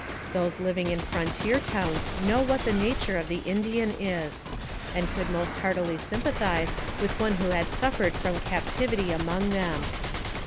Those living in frontier towns know what the nature of the Indian is, and could most heartily sympathize with one who had suffered from captivity among them.